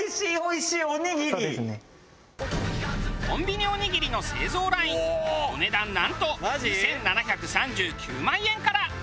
コンビニおにぎりの製造ラインお値段なんと２７３９万円から。